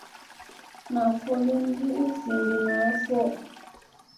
Naɗ fo lin ni u vinɗa naa fo.